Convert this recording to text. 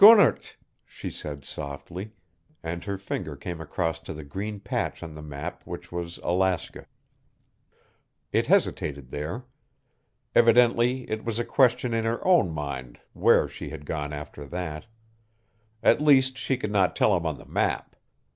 "Skunnert," she said softly, and her finger came across to the green patch on the map which was Alaska. It hesitated there. Evidently it was a question in her own mind where she had gone after that. At least she could not tell him on the map.